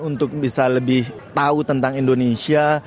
untuk bisa lebih tahu tentang indonesia